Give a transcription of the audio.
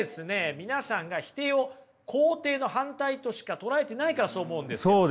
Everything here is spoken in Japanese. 皆さんが否定を肯定の反対としか捉えてないからそう思うんですよ。